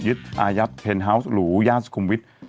อายัดเทนฮาวส์หรูย่านสุขุมวิทย์